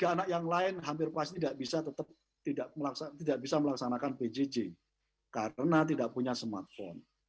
tiga anak yang lain hampir pasti tidak bisa tetap tidak bisa melaksanakan pjj karena tidak punya smartphone